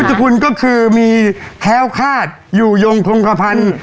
พุทธคุณก็คือมีแท้วคาดอยู่ยงคงทรงความพันธมิตร